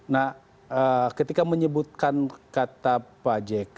nah ketika menyebutkan kata pak jk